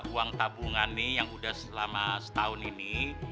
uang tabungan nih yang udah selama setahun ini